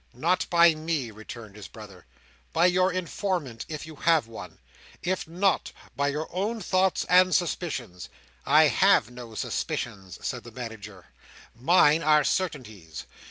"Not by me," returned his brother. "By your informant, if you have one. If not, by your own thoughts and suspicions." "I have no suspicions," said the Manager. "Mine are certainties.